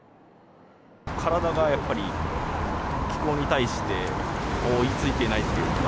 体がやっぱり気候に対して追いついていないというか。